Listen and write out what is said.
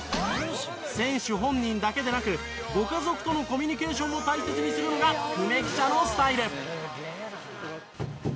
選手本人だけでなくご家族とのコミュニケーションも大切にするのが久米記者のスタイル。